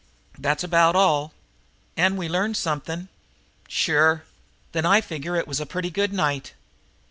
"That's about all." "And we learned something." "Sure." "Then I figure it was a pretty good night.